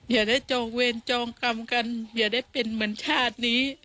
อย่าได้จองเวรจองกรรมกันอย่าได้เป็นเหมือนชาตินี้